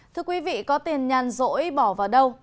thưa quý vị có tiền nhàn rỗi bỏ vào đâu